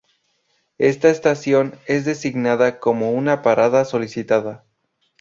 Esta estación es designada como una "parada solicitada".